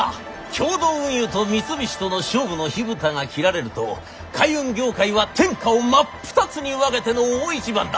共同運輸と三菱との勝負の火蓋が切られると海運業界は天下を真っ二つに分けての大一番だ！